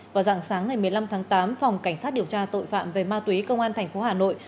vào dạng sáng ngày một mươi năm tháng tám phòng cảnh sát điều tra tội phạm về ma túy công an tp hà nội